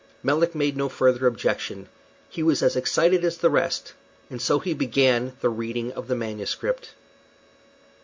Melick made no further objection. He was as excited as the rest, and so he began the reading of the manuscript.